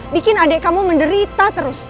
bikin adik kamu menderita terus